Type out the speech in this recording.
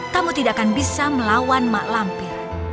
kamu tidak akan bisa melawan mak lampir